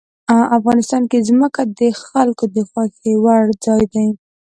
افغانستان کې ځمکه د خلکو د خوښې وړ ځای دی.